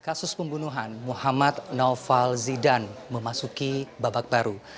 kasus pembunuhan muhammad naufal zidan memasuki babak baru